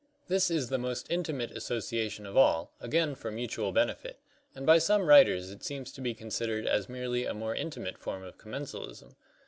— This is the most intimate association of all, again for mutual benefit, and by some writers it seems to be considered as merely a more intimate form of commensalism.